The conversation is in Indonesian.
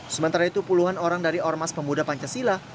sementara itu puluhan orang dari ormas pemuda pancasila